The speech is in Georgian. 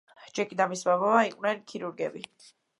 ჯეკი და მისი მამა იყვნენ ქირურგები.